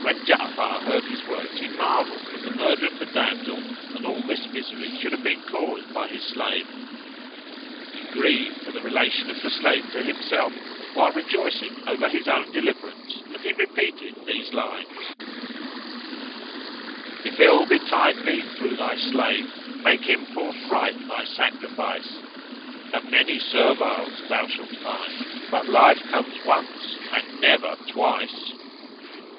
When Ja'afar heard his words he marvelled that the murder of the damsel and all this misery should have been caused by his slave; he grieved for the relation of the slave to himself, while rejoicing over his own deliverance, and he repeated these lines: — "If ill betide thee through thy slave, * Make him forthright thy sacrifice: A many serviles thou shalt find, * But life comes once and never twice."